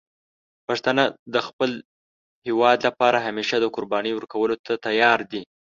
پښتانه د خپل هېواد لپاره همیشه د قربانی ورکولو ته تیار دي.